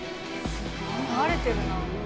すごい。慣れてるな。